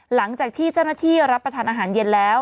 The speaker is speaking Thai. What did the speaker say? หลังจากที่เจ้าหน้าที่รับประทานอาหารเย็นแล้ว